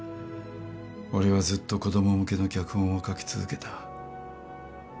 俺はずっと子供向けの脚本を書き続けた。